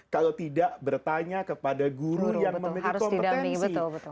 kalau tidak bertanya kepada guru yang memiliki kompetensi